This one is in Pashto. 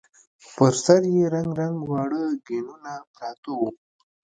پر سر يې رنګ رنګ واړه ګېنونه پراته وو.